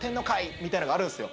みたいなのがあるんですよ。